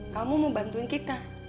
kamu mau bantuin kita